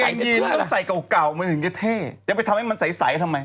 เหมือนกางเกงยีนต้องใส่เก่ามันอื่นเท่จะไปทำให้มันใสทำไม